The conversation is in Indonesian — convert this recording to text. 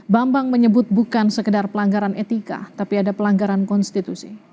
bambang menyebut bukan sekedar pelanggaran etika tapi ada pelanggaran konstitusi